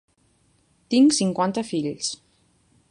Tinc cinquanta fills.